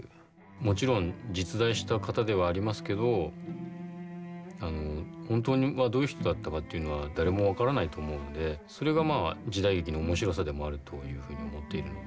もちろん実在した方ではありますけど本当はどういう人だったかっていうのは誰も分からないと思うんでそれがまあ時代劇の面白さでもあるというふうに思っているんで